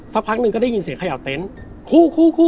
สักพักหนึ่งก็ได้ยินเสียงเขย่าเต็นต์คู่